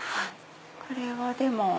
これはでも。